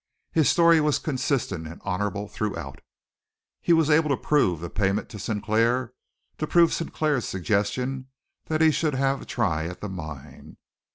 His story was consistent and honorable throughout. He was able to prove the payment to Sinclair, to prove Sinclair's suggestion that he should have a try at the mine.